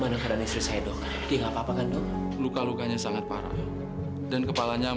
nossos di jogja hujan datang